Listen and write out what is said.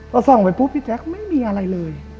พอส่องไปปุ๊บพี่แจ๊คไม่มีอะไรเลย